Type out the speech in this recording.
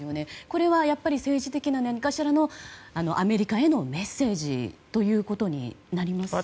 これは、やっぱり政治的な何かしらのアメリカへのメッセージということになりますか。